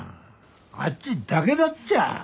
あっちだけだっちゃ。